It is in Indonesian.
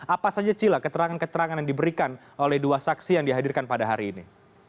apa saja cila keterangan keterangan yang diberikan oleh dua saksi yang dihadirkan pada hari ini